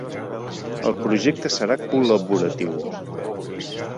El projecte serà col·laboratiu.